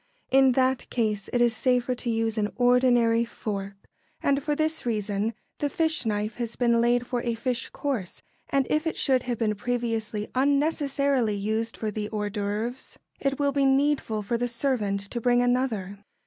In that case it is safer to use an ordinary fork; and for this reason: the fish knife has been laid for a fish course, and if it should have been previously unnecessarily used for the hors d'œuvre, it will be needful for the servant to bring another.